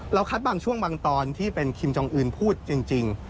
คัดบางช่วงบางตอนที่เป็นคิมจองอื่นพูดจริง